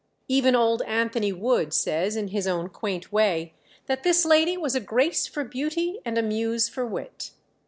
Even old Anthony Wood says, in his own quaint way, that this lady "was a Grace for beauty, and a Muse for wit."